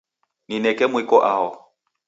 Nineke mwiko aho